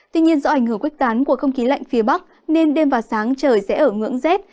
tuy nhiên do ảnh hưởng quyết tán của không khí lạnh phía bắc nên đêm và sáng trời sẽ ở ngưỡng rét